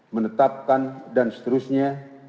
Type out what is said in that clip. menetapkan dan seterusnya